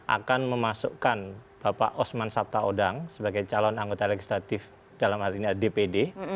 akan memasukkan bapak osman sabta odang sebagai calon anggota legislatif dalam artinya dpd